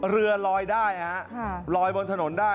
เรือลอยได้ฮะลอยบนถนนได้